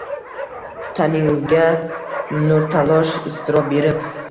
Taninga nurtalosh iztirob berib